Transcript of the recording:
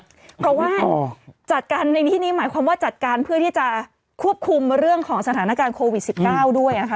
เพราะว่าจัดการในที่นี้หมายความว่าจัดการเพื่อที่จะควบคุมเรื่องของสถานการณ์โควิด๑๙ด้วยค่ะ